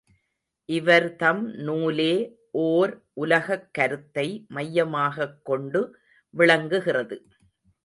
இவர்தம் நூலே ஓர் உலகக் கருத்தை மையமாகக் கொண்டு விளங்குகிறது.